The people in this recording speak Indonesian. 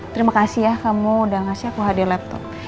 terima kasih ya kamu udah ngasih aku hadir laptop